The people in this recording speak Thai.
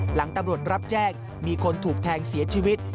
หลังตำรวจรับแจ้งมีคนถูกแทงเสียชีวิต